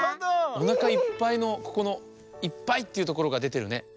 おなかいっぱいのここの「いっぱい」っていうところがでてるね。